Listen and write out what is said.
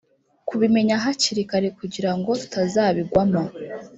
kubimenya hakiri kare kugira ngo tutazabigwamo